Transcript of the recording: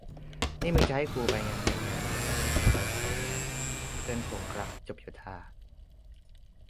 นี่มึงจะให้กูไปงานแต่งงาน หรือจะให้กูไปไซต์งาน ? เพื่อนผมครับจบโยธา